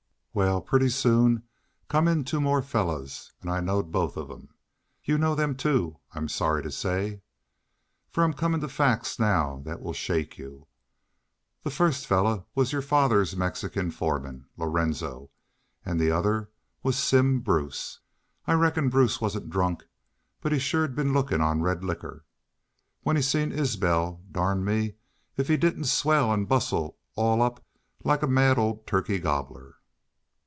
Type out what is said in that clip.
"Wal, pretty soon in come two more fellars, an' I knowed both of them. You know them, too, I'm sorry to say. Fer I'm comin' to facts now thet will shake you. The first fellar was your father's Mexican foreman, Lorenzo, and the other was Simm Bruce. I reckon Bruce wasn't drunk, but he'd sure been lookin' on red licker. When he seen Isbel darn me if he didn't swell an' bustle all up like a mad ole turkey gobbler.